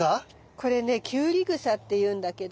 これねキュウリグサっていうんだけど。